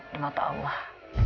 di mata allah